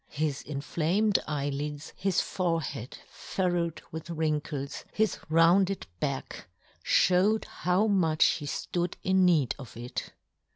His inflamed eye lids, his forehead furrowed with wrinkles, his rounded back, fhowed how much he flood in need of it.